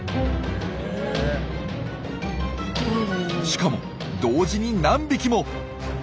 しかも同時に何匹も。